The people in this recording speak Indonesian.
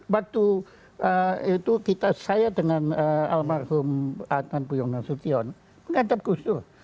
waktu itu saya dengan almarhum adnan puyong nasution menghadap gusdur